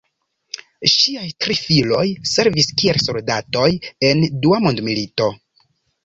Ŝiaj tri filoj servis kiel soldatoj en Dua mondmilito.